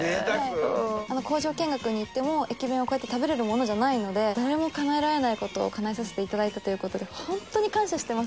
工場見学に行っても駅弁をこうやって食べられるものじゃないので誰もかなえられない事をかなえさせていただいたという事で本当に感謝してます。